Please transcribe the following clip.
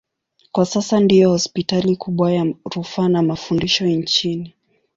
Kwa sasa ndiyo hospitali kubwa ya rufaa na mafundisho nchini.